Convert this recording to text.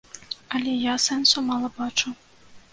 Але я сэнсу мала бачу.